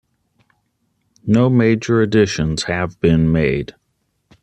No major additions have been made.